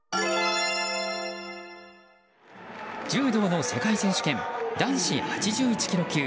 柔道の世界選手権男子８１ｋｇ級。